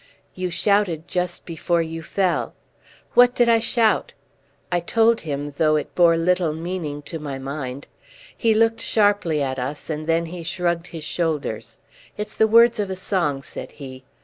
"You shouted just before you fell." "What did I shout?" I told him, though it bore little meaning to my mind. He looked sharply at us, and then he shrugged his shoulders. "It's the words of a song," said he.